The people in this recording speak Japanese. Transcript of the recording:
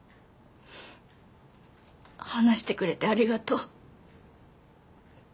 話してくれてありがとう。